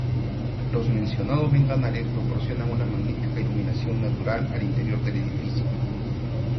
Los mencionados ventanales proporcionan una magnífica iluminación natural al interior del edificio.